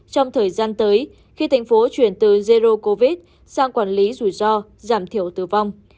trong thời gian tới khi thành phố chuyển từ zero covid sang quản lý rủi ro giảm thiểu tử vong